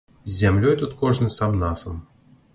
З зямлёй тут кожны сам-насам.